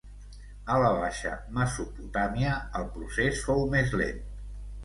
A la baixa Mesopotàmia el procés fou més lent.